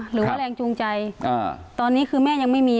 หรือว่าแรงจูงใจตอนนี้คือแม่ยังไม่มี